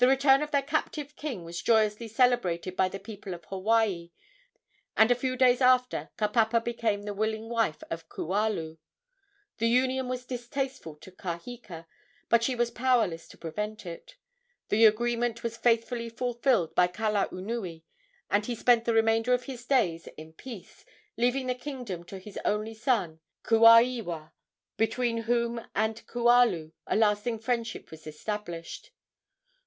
The return of their captive king was joyously celebrated by the people of Hawaii, and a few days after Kapapa became the willing wife of Kualu. The union was distasteful to Kaheka, but she was powerless to prevent it. The agreement was faithfully fulfilled by Kalaunui, and he spent the remainder of his days in peace, leaving the kingdom to his only son, Kuaiwa, between whom and Kualu a lasting friendship was established.